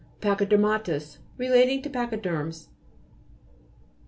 PA'CHYDE'RMATOUS Relating to pa' chyde'rms.